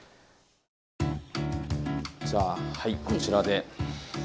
じゃあこちらで。